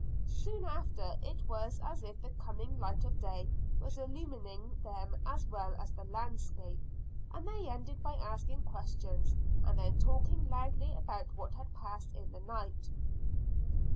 Soon after it was as if the coming light of day was illumining them as well as the landscape, and they ended by asking questions and then talking loudly about what had passed in the night.